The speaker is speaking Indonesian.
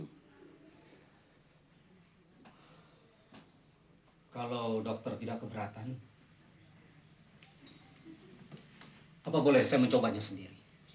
kalau dokter tidak keberatan apa boleh saya mencobanya sendiri